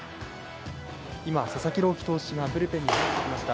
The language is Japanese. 今、佐々木朗希投手がブルペンに入ってきました。